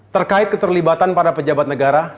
terkait keterlibatan para pejabat negara